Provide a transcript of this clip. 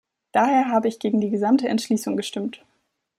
Daher habe ich gegen die gesamte Entschließung gestimmt.